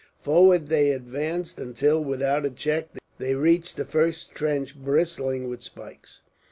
Forward they advanced until, without a check, they reached the first trench bristling with spikes.